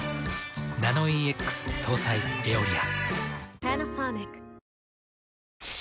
ナノイーＸ搭載「エオリア」。